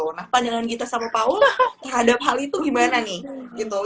jadi kayaknya itu yang yang bikin kita sama paola terhadap hal itu gimana nih gitu